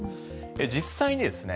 実際にですね